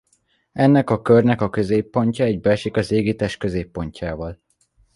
Ennek a körnek a középpontja egybeesik az égitest középpontjával.